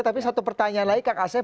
tapi satu pertanyaan lagi kak asef